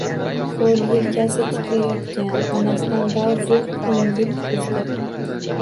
Ho‘l yelkasi titra-yotgan onasidan bazo‘r ko‘ngil uzdi